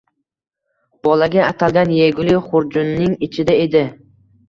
Bolaga atalgan yegulik xurjunning ichida edi